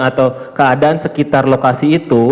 atau keadaan sekitar lokasi itu